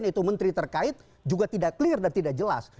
yaitu menteri terkait juga tidak clear dan tidak jelas